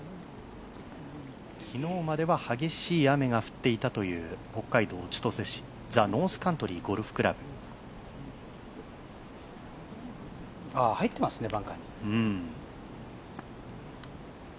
昨日までは激しい雨が降っていたという北海道千歳市ザ・ノースカントリーゴルフクラブ入ってますね、バンカーに。